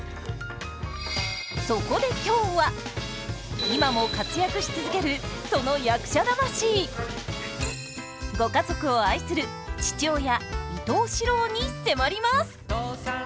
そこで今日は今も活躍し続けるその役者魂ご家族を愛する父親伊東四朗に迫ります！